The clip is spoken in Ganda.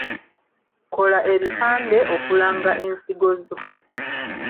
Kola ebipande okulanga ensigo zo.